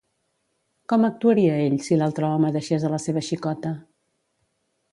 Com actuaria ell si l'altre home deixés a la seva xicota?